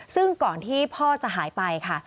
ซึ่งก่อนที่พ่อจะหายไปค่ะ